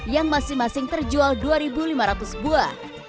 yang masing masing terjual dua lima ratus buah